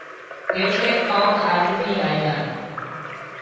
ايٽليڪ ڪانڪ آۮمي آيا